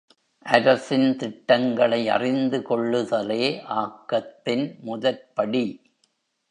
அரசின் திட்டங்களை அறிந்து கொள்ளுதலே ஆக்கத்தின் முதற்படி.